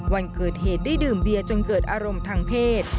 วันเกิดเหตุได้ดื่มเบียจนเกิดอารมณ์ทางเพศ